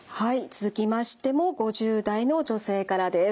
続きましても５０代の女性からです。